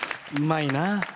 うまいな。